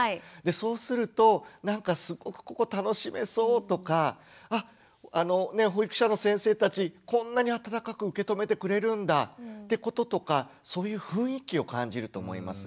そうすると「なんかすごくここ楽しめそう」とか「あ保育者の先生たちこんなに温かく受け止めてくれるんだ」ってこととかそういう雰囲気を感じると思います。